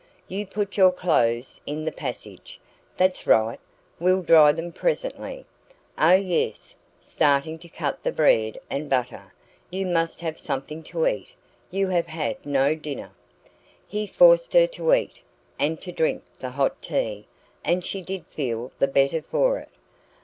"You put your clothes in the passage? That's right. We'll dry them presently. Oh, yes" starting to cut bread and butter "you must have something to eat. You have had no dinner." He forced her to eat, and to drink the hot tea, and she did feel the better for it.